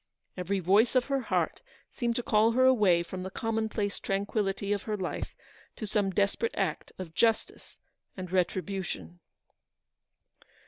Every voice of her heart seemed to call her away from the commonplace tranquillity of her life to some desperate act of justice and retribution.